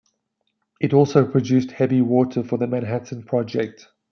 It also produced heavy water for the Manhattan Project.